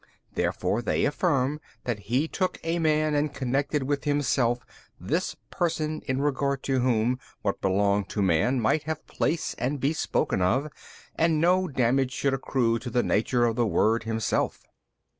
Therefore they affirm that He took a man and connected with Himself this person in regard to whom what belong to man might have place and be spoken of, and no damage should accrue to the Nature of the Word Himself.